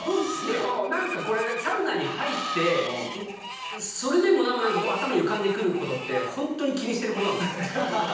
でも何かこれサウナに入ってそれでもなお何か頭に浮かんでることってホントに気にしてることなんだって。